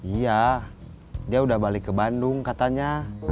iya dia udah balik ke bandung katanya